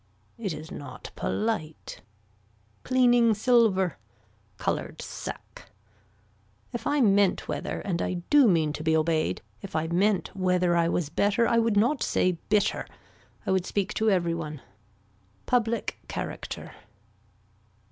It is not polite. Cleaning silver. Colored sack. If I meant weather and I do mean to be obeyed, if I meant whether I was better I would not say bitter I would speak to every one. Public character.